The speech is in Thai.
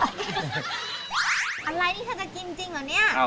อะไรรู้ว่าเธอจะกินจริงหรือเนี่ย